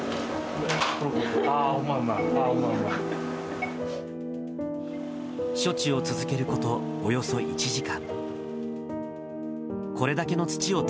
あー、ほんま、ほんま、処置を続けることおよそ１時間。